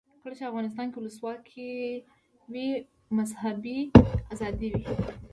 کله چې افغانستان کې ولسواکي وي مذهبي آزادي وي.